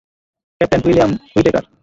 Captain William Whitaker?